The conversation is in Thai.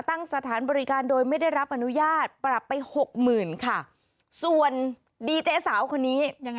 สถานบริการโดยไม่ได้รับอนุญาตปรับไปหกหมื่นค่ะส่วนดีเจสาวคนนี้ยังไง